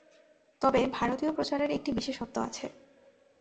তবে ভারতীয় প্রচারের একটি বিশেষত্ব আছে।